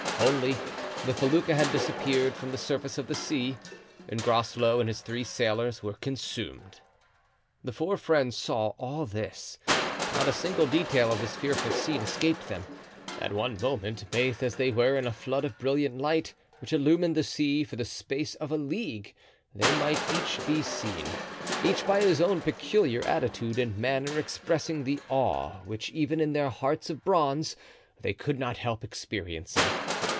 Only—the felucca had disappeared from the surface of the sea and Groslow and his three sailors were consumed. The four friends saw all this—not a single detail of this fearful scene escaped them. At one moment, bathed as they were in a flood of brilliant light, which illumined the sea for the space of a league, they might each be seen, each by his own peculiar attitude and manner expressing the awe which, even in their hearts of bronze, they could not help experiencing.